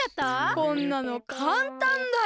こんなのかんたんだよ。